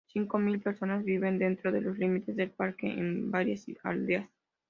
Cinco mil personas viven dentro de los límites del parque en varias aldeas.